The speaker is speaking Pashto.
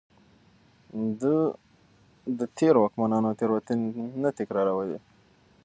ده د تېرو واکمنانو تېروتنې نه تکرارولې.